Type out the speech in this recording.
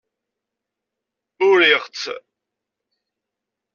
Uriɣ-tt.